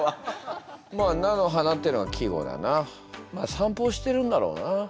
散歩をしてるんだろうな。